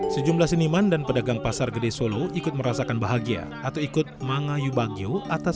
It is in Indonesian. sejumlah seniman dan pedagang pasar gede solo ikut merasakan bahagia atau ikut mangayu bagio atas